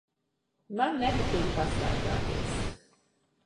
Man nepatīk pastaigāties.